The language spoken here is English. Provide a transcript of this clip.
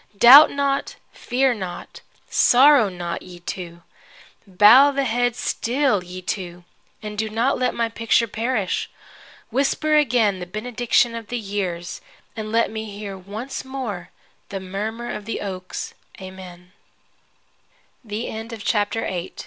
Doubt not, fear not, sorrow not, ye two. Bow the head still, ye two, and let not my picture perish. Whisper again the benediction of the years, and let me hear once more the murmur of the oak's